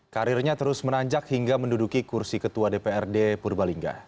karirnya terus menanjak hingga menduduki kursi ketua dprd purbalingga